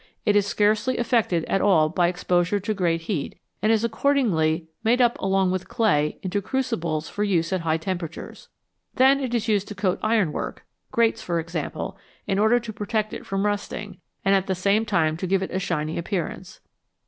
It is scarcely affected at all by exposure to great heat, and is accordingly made up along with clay into crucibles for use at high temperatures. Then it is used to coat iron work grates, for example in order to protect it from rusting, and at the same time to give it a shiny appear ance.